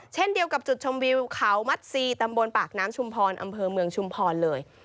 เช่นเดียวกับจุดชมวิวเขามัดซีตำบลปากน้ำชุมพรอำเภอเมืองชุมพรเลย